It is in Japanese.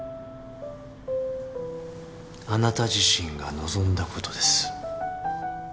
あなた自身が望んだことです。